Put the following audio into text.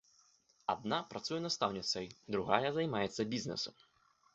Адна працуе настаўніцай, другая займаецца бізнесам.